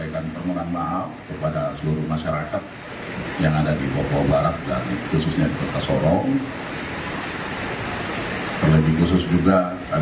saya menyampaikan permintaan maaf kepada seluruh masyarakat